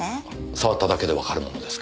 触っただけでわかるものですか？